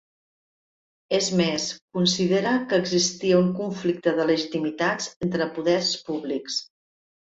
És més, considera que existia un conflicte de legitimitats entre poders públics.